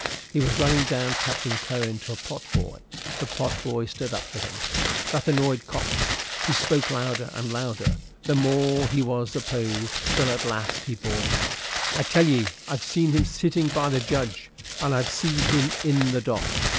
He was running down Captain Cowen to a pot boy. The pot boy stood up for him. That annoyed Cox. He spoke louder and louder the more he was opposed, till at last he bawled out, "I tell ye I've seen him a sitting by the judge, and I've seen him in the dock."